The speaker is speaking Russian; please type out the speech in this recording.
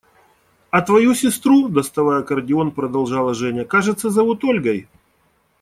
– «А твою сестру, – доставая аккордеон, продолжала Женя, – кажется, зовут Ольгой?»